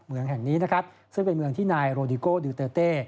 เมืองแห่งนี้นะครับซึ่งเป็นเมืองที่นายโรดิโก้ดิวเตอร์เต้